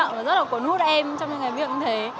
nó rất là cuốn hút em trong những cái việc như thế